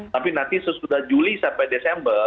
tapi nanti sesudah juli sampai desember